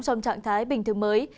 trong trạng thái bình thường mới